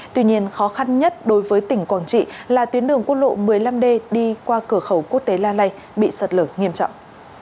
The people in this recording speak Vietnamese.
tuy nhiên khó khăn nhất đối với tỉnh quảng trị là tuyến đường quốc lộ một mươi năm d đi qua cửa khẩu quốc tế la lai bị sạt lở nghiêm trọng